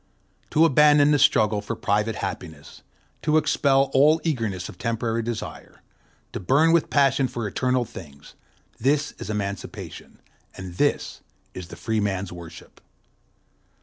To abandon the struggle for private happiness, to expel all eagerness of temporary desire, to burn with passion for eternal things—this is emancipation, and this is the free man's worship.